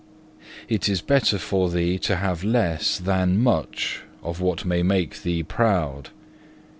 It is better for thee to have less than much of what may make thee proud.